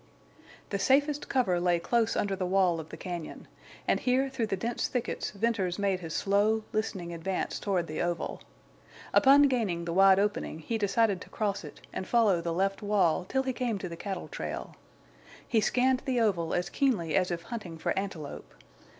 The safest cover lay close under the wall of the cañon, and here through the dense thickets Venters made his slow, listening advance toward the oval. Upon gaining the wide opening he decided to cross it and follow the left wall till he came to the cattle trail. He scanned the oval as keenly as if hunting for antelope.